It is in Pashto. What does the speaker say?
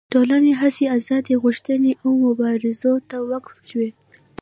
ټولې هڅې ازادي غوښتنې او مبارزو ته وقف شوې.